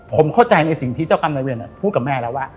ผมเข้าใจในสิ่งที่เจ้ากรรมนายเวียนพูดกับแม่แล้วว่า